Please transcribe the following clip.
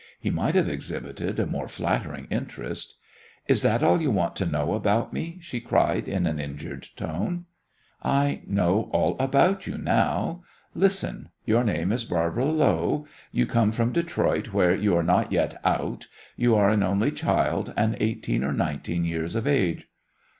He might have exhibited a more flattering interest. "Is that all you want to know about me?" she cried in an injured tone. "I know all about you now. Listen: Your name is Barbara Lowe; you come from Detroit, where you are not yet 'out'; you are an only child; and eighteen or nineteen years of age."